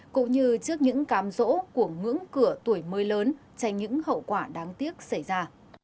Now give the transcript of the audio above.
cũng như trước những cám rỗ của ngưỡng cửa tuổi mới lớn tránh những hậu quả đáng tiếc xảy ra